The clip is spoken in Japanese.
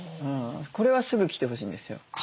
これはすぐ来てほしいんですよ。